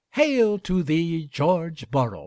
Hail to thee, George Borrow!